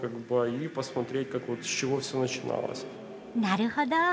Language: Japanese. なるほど。